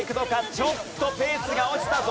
ちょっとペースが落ちたぞ。